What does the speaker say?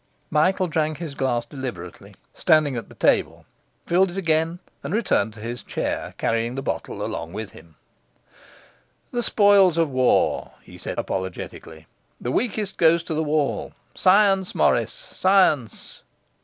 Michael drank his glass deliberately, standing at the table; filled it again, and returned to his chair, carrying the bottle along with him. 'The spoils of war!' he said apologetically. 'The weakest goes to the wall. Science, Morris, science.